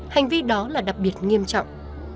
hành vi đó là đặc biệt nghiêm trọng